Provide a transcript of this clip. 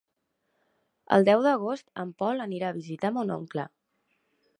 El deu d'agost en Pol anirà a visitar mon oncle.